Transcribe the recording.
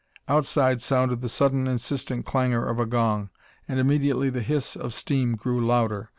Outside sounded the sudden insistent clangor of a gong, and immediately the hiss of steam grew louder.